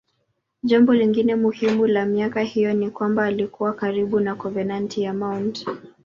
Jambo lingine muhimu la miaka hiyo ni kwamba alikuwa karibu na konventi ya Mt.